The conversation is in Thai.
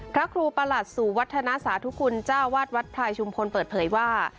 พระครูประหลัดสู่วัฒนาสาธุคุณเจ้าวาดวัดพลายชุมพลเปิดเผยว่า